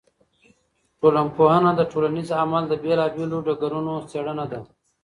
ټولنپوهنه د ټولنیز عمل د بېلا بېلو ډګرونو څېړنه ده.